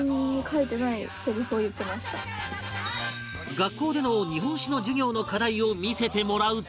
学校での日本史の授業の課題を見せてもらうと